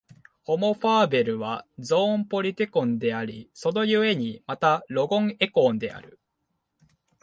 ホモ・ファーベルはゾーン・ポリティコンであり、その故にまたロゴン・エコーンである。